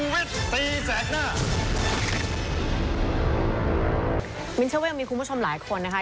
เชื่อว่ายังมีคุณผู้ชมหลายคนนะคะ